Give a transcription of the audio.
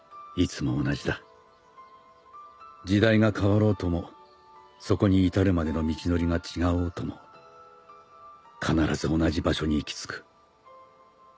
時代が変わろうともそこに至るまでの道のりが違おうとも必ず同じ場所に行き着く。